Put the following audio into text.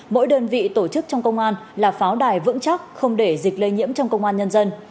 mỗi đơn vị tổ chức trong công an là pháo đài vững chắc không để dịch lây nhiễm trong công an nhân dân